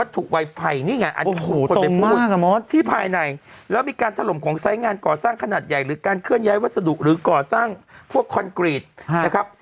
ถูกไวไฟนี่ไงอันนี้คนไปพูดที่ภายในแล้วมีการถล่มของไซส์งานก่อสร้างขนาดใหญ่หรือการเคลื่อนย้ายวัสดุหรือก่อสร้างพวกคอนกรีตนะครับ